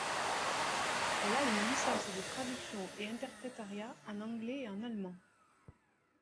Elle a une licence de Traduction et Interprétariat en anglais et en allemand.